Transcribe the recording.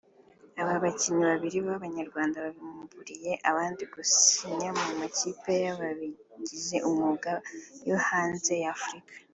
Aba bakinnyi babiri b’Abanyarwanda babimburiye abandi gusinya mu makipe y’ababigize umwuga yo hanze ya Afurika